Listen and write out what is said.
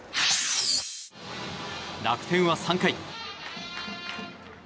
楽天は３回。